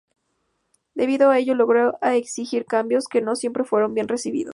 Debido a ello, llegó a exigir cambios que no siempre fueron bien recibidos.